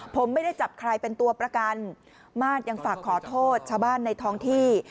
ผมไม่ได้จับใครเป็นตัวประกันมาสยังฝากขอโทษชาวบ้านในท้องที่